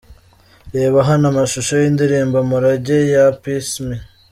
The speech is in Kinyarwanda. Reba hano amashusho y'indirimbo Umurage ya P Smith.